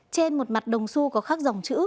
trên một mặt đồng xu có khắc dòng chữ